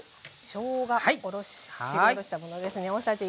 しょうがすりおろしたものですね。